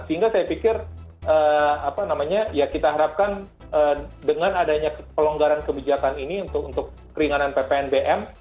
sehingga saya pikir apa namanya ya kita harapkan dengan adanya pelonggaran kebijakan ini untuk keringanan ppnbm